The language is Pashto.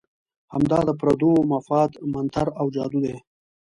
همدا د پردو مفاد منتر او جادو دی.